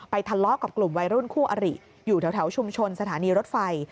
ทะเลาะกับกลุ่มวัยรุ่นคู่อริอยู่แถวชุมชนสถานีรถไฟ